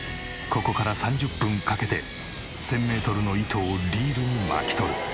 ここから３０分かけて１０００メートルの糸をリールに巻き取る。